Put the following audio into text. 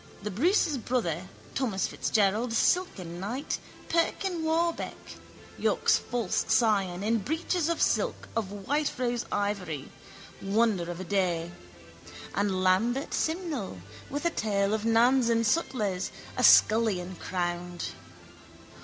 The Bruce's brother, Thomas Fitzgerald, silken knight, Perkin Warbeck, York's false scion, in breeches of silk of whiterose ivory, wonder of a day, and Lambert Simnel, with a tail of nans and sutlers, a scullion crowned.